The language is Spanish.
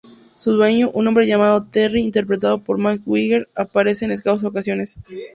Su dueño -un hombre llamado Terry interpretado por Max Wright- aparece en escasas ocasiones.